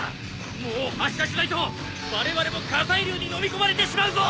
もう発車しないとわれわれも火砕流にのみ込まれてしまうぞ。